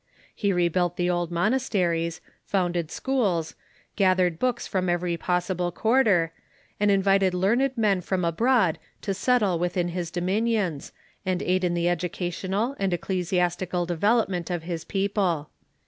He rebuilt the old monasteries, founded schools, gathered books from every possible quarter, and invited learned men from abroad to settle within his do minions, and aid in the educational and ecclesiastical develop ment of his people.